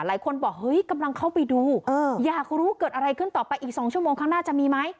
หลายคนบอกเฮ้ยกำลังเข้าไปดูอยากรู้เกิดอะไรขึ้นต่อไปอีก๒ชั่วโมงข้างหน้าจะมีไหม